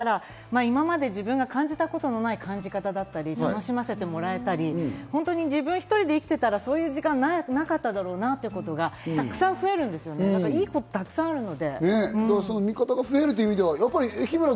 いろいろチャレンジしやすいですし、子供ができたら今まで自分が感じたことのない感じ方だったり、楽しませてもらえたり、自分ひとりで生きていたら、そういう時間なかっただろうなっていうことがたくさん増えるんですよね、いいことがたくさんあるので。